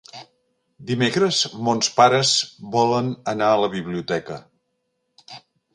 Dimecres mons pares volen anar a la biblioteca.